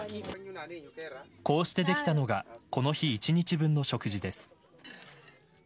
こうしてできたのが、この日１日分の食事です。